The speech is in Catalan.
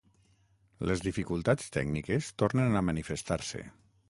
Les dificultats tècniques tornen a manifestar-se.